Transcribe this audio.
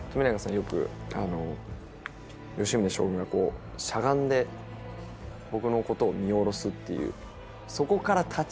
よく吉宗将軍がしゃがんで僕のことを見下ろすっていう。